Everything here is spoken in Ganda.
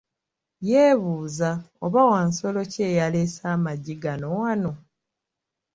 Yebuuza, oba wansolo ki eyalesse amaggi gano wano?